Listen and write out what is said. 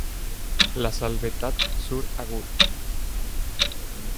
La Salvetat-sur-Agout